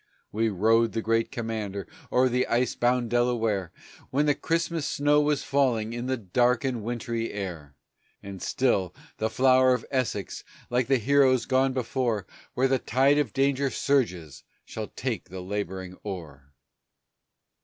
We rowed the Great Commander o'er the ice bound Delaware, When the Christmas snow was falling in the dark and wintry air; And still the Flower of Essex, like the heroes gone before, Where the tide of danger surges shall take the laboring oar.